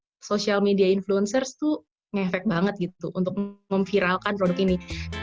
di social media influencers tuh ngefek banget gitu untuk memviralkan produk ini